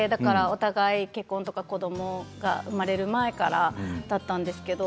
お互い、結婚とか子どもが生まれる前からだったんですけれど。